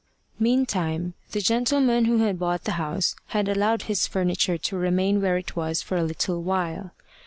Meantime, the gentleman who had bought the house had allowed his furniture to remain where it was for a little while.